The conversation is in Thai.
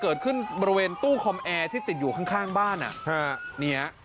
เกิดขึ้นบริเวณตู้คอมแอร์ที่ติดอยู่ข้างข้างบ้านอ่ะฮะนี่ฮะ